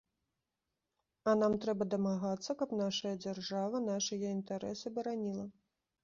А нам трэба дамагацца, каб нашая дзяржава нашыя інтарэсы бараніла.